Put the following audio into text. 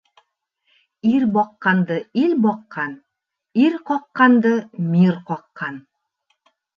Ир баҡҡанды ил баҡҡан, ир ҡаҡҡанды мир ҡаҡҡан.